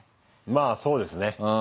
まあそうですね。